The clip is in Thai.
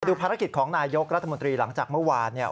ดูภารกิจของนายกรัฐมนตรีหลังจากเมื่อวาน